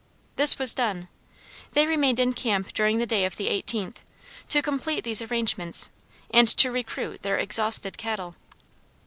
This was done. They remained in camp during the day of the 18th, to complete these arrangements, and to recruit their exhausted cattle.